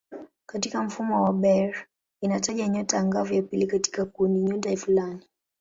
Katika mfumo wa Bayer inataja nyota angavu ya pili katika kundinyota fulani.